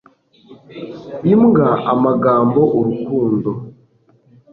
imbwa amagambo urukundo